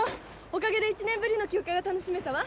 おかげで１年ぶりの休暇が楽しめたわ。